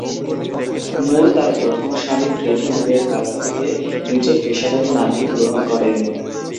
মুর তার প্রথম স্বামী ফ্রেডি মুরের কাছ থেকে নিজের পেশাদারী নামটি গ্রহণ করেন।